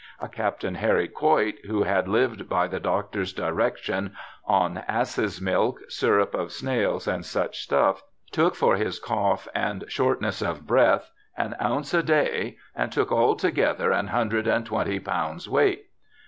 A Captain Harry Coit, who had lived by the doctor's direction 'on Asses milk. Syrup of Snails and such stuff', took for his cough and short ness of breath an ounce a day, and took altogether an hundred and twenty pounds' weight.